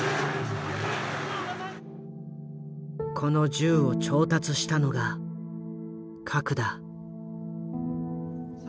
この銃を調達したのがカクだ。